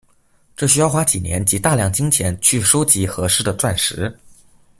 这需要花几年及大量金钱去收集合适的钻石。